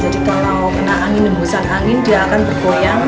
jadi kalau kena angin hembusan angin dia akan bergoyang